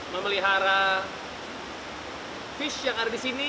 memelihara fish yang ada di sini